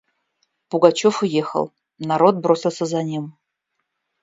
Пугачев уехал; народ бросился за ним.